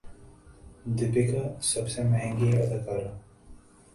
دپیکا سب سے مہنگی اداکارہ